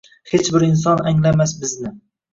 Hech bir inson anglamas bizni